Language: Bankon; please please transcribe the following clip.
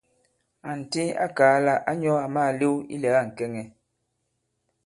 Ànti a kàa lā ǎ nyɔ̄ àma màlew ilɛ̀ga ŋ̀kɛŋɛ.